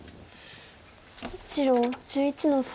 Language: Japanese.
白１１の三。